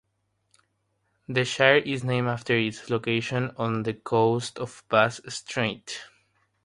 The Shire is named after its location on the coast of Bass Strait.